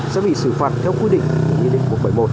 sẽ bị xử phạt theo quy định nhân định một trăm bảy mươi một